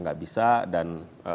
gak bisa dan